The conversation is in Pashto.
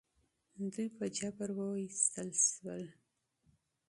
دوی په جبر ویستل شوي ول.